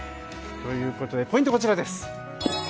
ということで、ポイントです。